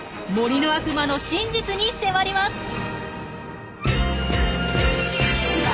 「森の悪魔」の真実に迫ります！